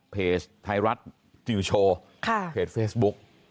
เพจไทยรัฐนิวโชว์เพจเฟซบุ๊ก